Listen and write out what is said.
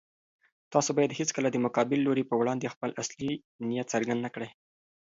تاسو بايد هيڅکله د مقابل لوري په وړاندې خپل اصلي نيت څرګند نه کړئ.